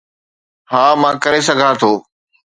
ها، مان ڪري سگهان ٿو.